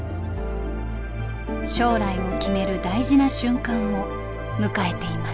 将来を決める大事な瞬間を迎えています。